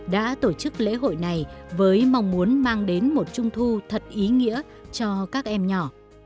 đã tổ chức lễ hội này với mong muốn mang đến một trung thu thật ý nghĩa cho các em nhỏ